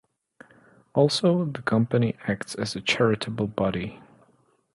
Also, the Company acts as a charitable body.